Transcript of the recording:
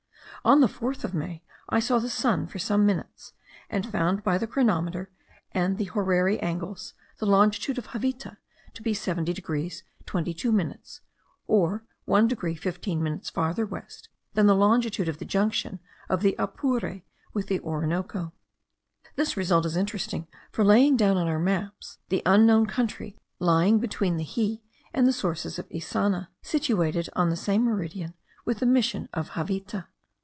On the 4th of May, I saw the sun for some minutes; and found by the chronometer and the horary angles the longitude of Javita to be 70 degrees 22 minutes, or 1 degree 15 minutes farther west than the longitude of the junction of the Apure with the Orinoco. This result is interesting for laying down on our maps the unknown country lying between the Xie and the sources of the Issana, situated on the same meridian with the mission of Javita.